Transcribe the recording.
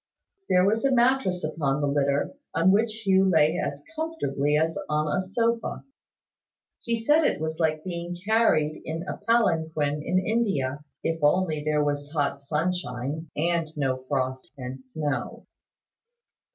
There was a mattress upon the litter, on which Hugh lay as comfortably as on a sofa. He said it was like being carried in a palanquin in India, if only there was hot sunshine, and no frost and snow.